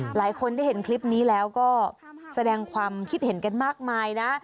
หลายคนได้เห็นคลิปนี้แล้วก็แสดงความคิดเห็นกันมากมายนะ